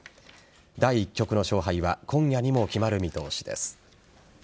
第１局の勝敗は今夜にも決まる見通しです。